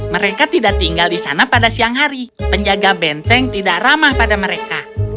mereka tidak tinggal di sana pada siang hari penjaga benteng tidak ramah pada mereka